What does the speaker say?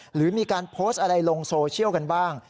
หรือมีการโพสต์อะไรลงโซเชียลกันบ้าง